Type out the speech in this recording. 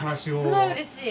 すごいうれしい。